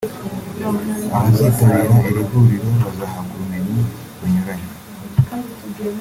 Abazitabira iri huriro bazahabwa ubumenyi bunyuranye